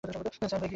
Sir, হয়ে গেছে।